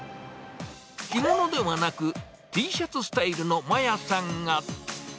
着物ではなく、Ｔシャツスタイルのまやさんが。